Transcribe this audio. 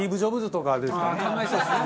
考えそうですね。